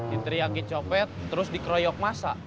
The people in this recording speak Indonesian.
kita teriak ngi copet terus dikroyok masa